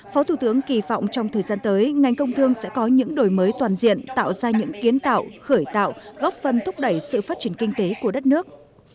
phó thủ tướng kỳ vọng trong thời gian tới ngành công thương sẽ có những đổi mới toàn diện tạo ra những kiến tạo khởi tạo góp phần thúc đẩy sự phát triển kinh tế của đất nước